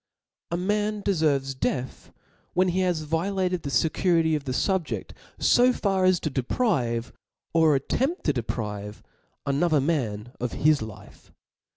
A man deferves death wheii he has violated the/ecurity of the fubjedt fo far as to deprive, or attempt to deprive another man of his life.